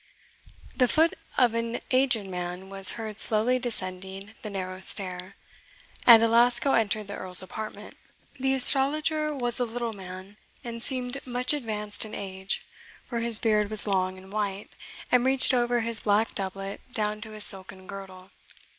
The foot of an aged man was heard slowly descending the narrow stair, and Alasco entered the Earl's apartment. The astrologer was a little man, and seemed much advanced in age, for his heard was long and white, and reached over his black doublet down to his silken girdle.